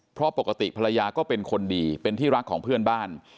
เพราะปกติภรรยาก็เป็นคนดีเป็นที่รักของเพื่อนบ้าน